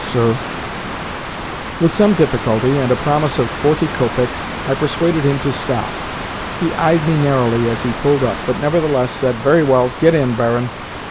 [Sir]" With some difficulty and a promise of FORTY copecks I persuaded him to stop. He eyed me narrowly as he pulled up, but nevertheless said: "Very well. Get in, barin."